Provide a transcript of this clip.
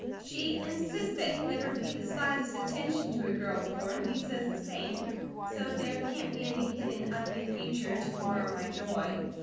She insists that he never paid the slightest attention to a girl before, and he says the same, so there can't be any hidden ugly feature to mar my joy.